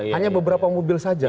hanya beberapa mobil saja